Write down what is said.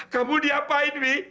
kamu diapain bi